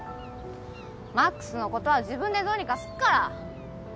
魔苦須のことは自分でどうにかすっから。